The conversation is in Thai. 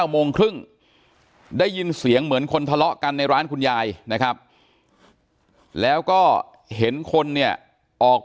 โมงครึ่งได้ยินเสียงเหมือนคนทะเลาะกันในร้านคุณยายนะครับแล้วก็เห็นคนเนี่ยออก